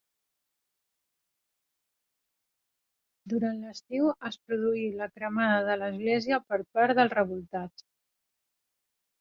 Durant l'estiu es produí la cremada de l'església per part dels revoltats.